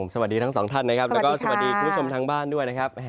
สวัสดีทั้งสองท่านนะครับแล้วก็สวัสดีคุณผู้ชมทางบ้านด้วยนะครับ